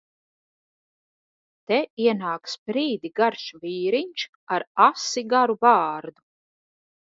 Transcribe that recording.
Te ienāk sprīdi garš vīriņš ar asi garu bārdu.